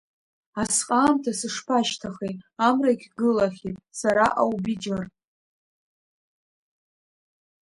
Асҟаамҭа сышԥашьҭахеи, амрагь гылахьеит, сара аубиџьыр…